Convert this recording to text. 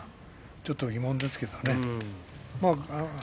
ちょっと疑問ですけどね。